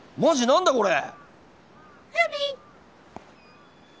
何だこれ！